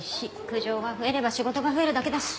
苦情が増えれば仕事が増えるだけだし。